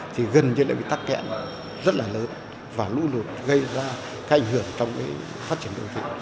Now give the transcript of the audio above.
thì gần như đã bị tắc kẹn rất là lớn và lũ lụt gây ra cái ảnh hưởng trong cái phát triển đô thị